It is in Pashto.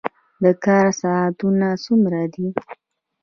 د کار ساعتونه څومره دي؟